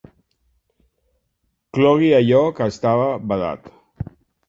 Clogui allò que estava badat.